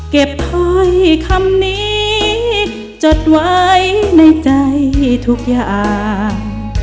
ถ้อยคำนี้จดไว้ในใจทุกอย่าง